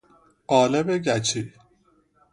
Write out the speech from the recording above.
قالب گچی